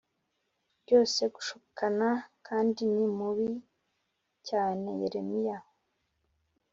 Byose gushukana kandi ni mubi cyane yeremiya